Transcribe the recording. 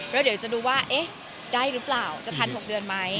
แล้วเดี๋ยวจะดูว่าเอ๊ะได้หรือเปล่าจะทัน๖เดือนไหม